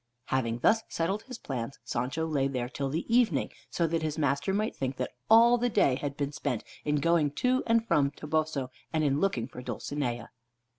Having thus settled his plans, Sancho lay there till the evening, so that his master might think that all the day had been spent in going to and from Toboso, and in looking for Dulcinea.